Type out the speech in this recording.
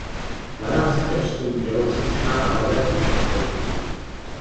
Na návsi též stojí tělocvična a nové hřiště pro děti.